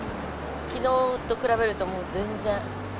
きのうと比べるともう全然。